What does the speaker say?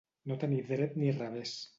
No tenir dret ni revés.